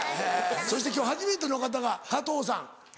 そして今日初めての方が加藤さん。